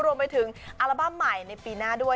รวมไปถึงอัลบั้มใหม่ในปีหน้าด้วย